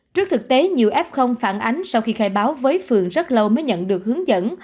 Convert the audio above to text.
trước thực tế nhiều f phản ánh sau khi khai báo với phường rất lâu mới nhận được hướng dẫn